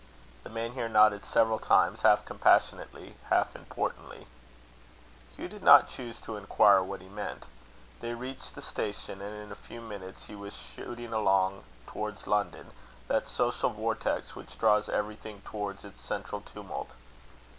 The man here nodded several times, half compassionately, half importantly. Hugh did not choose to inquire what he meant. They reached the station, and in a few minutes he was shooting along towards London, that social vortex, which draws everything towards its central tumult.